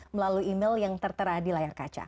melalui email yang tertera di layar kaca